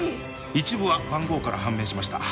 一部は番号から判明しました。